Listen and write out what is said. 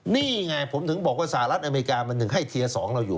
นี่ไงผมถึงบอกว่าสหรัฐอเมริกามันถึงให้เทียร์๒เราอยู่